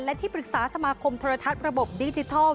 และที่ปรึกษาสมาคมโทรทัศน์ระบบดิจิทัล